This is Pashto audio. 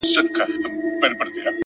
ډېوې پوري!